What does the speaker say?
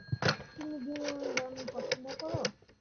তুমি বিনোদন পছন্দ কর?